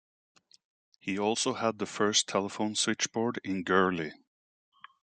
He also had the first telephone switchboard in Gurley.